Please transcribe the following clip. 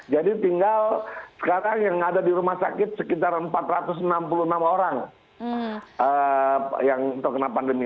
jadi tinggal sekarang yang ada di rumah sakit sekitar empat ratus enam puluh enam orang yang terkena pandemi